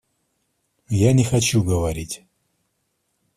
Я не хочу говорить.